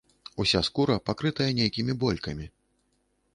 Уся скура пакрытая нейкімі болькамі.